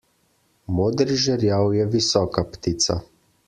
Modri žerjav je visoka ptica.